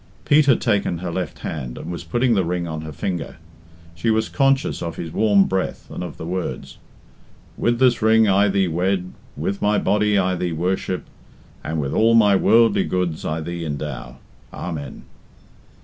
Pete had taken her left hand, and was putting the ring on her finger. She was conscious of his warm breath and of the words "With this ring I thee wed, with my body I thee worship, and with all my worldly goods I thee endow, Amen."